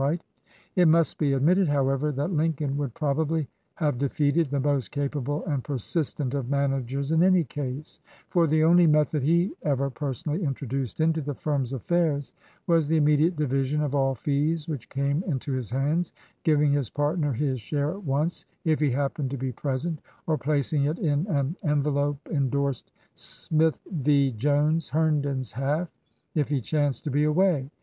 It 143 LINCOLN THE LAWYER must be admitted, however, that Lincoln would probably have defeated the most capable and persistent of managers in any case; for the only method he ever personally introduced into the firm's affairs was the immediate division of all fees which came into his hands, giving his part ner his share at once, if he happened to be pres ent, or placing it in an envelope indorsed, "Smith 17. Jones— Herndon's half," if he chanced to be away.